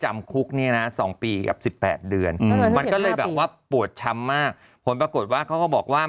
มันก็เลยแบบว่าปวดช้ำมากผลปรากฏว่าเขาก็บอกว่า